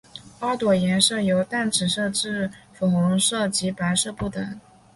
花朵颜色由淡紫色至粉红色及白色不等。